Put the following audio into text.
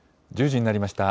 １０時になりました。